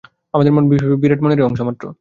আমাদের মন বিশ্বব্যাপী বিরাট মনেরই অংশমাত্র।